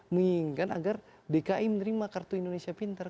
menginginkan agar dki menerima kartu indonesia pintar